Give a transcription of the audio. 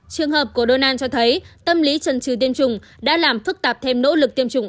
trường hợp của donald cho thấy tâm lý trần trừ tiêm chủng đã làm phức tạp thêm nỗ lực tiêm chủng